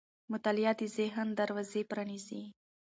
مطالعه د ذهن دروازې پرانیزي.